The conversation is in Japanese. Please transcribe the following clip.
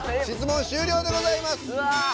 質問終了でございます！